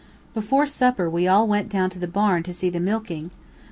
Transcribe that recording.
Before supper we all went down to the barn to see the milking.